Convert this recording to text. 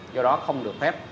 do đó không được phép